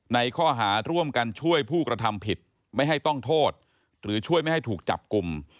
ในข้อหาร่วมกันช่วยผู้กระทำผิดไม่ให้ต้องโทษหรือช่วยไม่ให้ถูกจับกลุ่ม